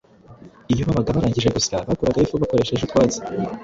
Iyo babaga barangije gusya, bakuragaho ifu bakoresheje utwatsi.